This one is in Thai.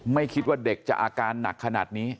ไม่คิดว่าเด็กจะอาการหนักขนาดนี้